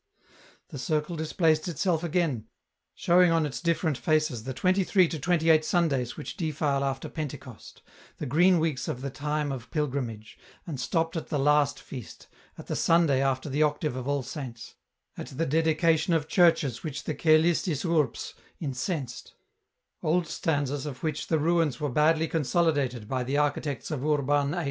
The circle displaced itself again, showing on its different feces the twenty three to twenty eight Sundays which defile after Pentecost, the green weeks of the time of Pilgrimage, and stopped at the last feast, at the Sunday after the Octave of AH Saints, at the Dedication of Churches which the " Coelestis Urbs " incensed, old stanzas of which the ruins were badly consolidated by the architects of Urban VIII.